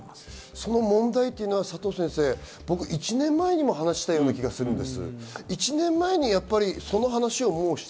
その問題は佐藤先生、僕は１年前にも話したような気がするんです。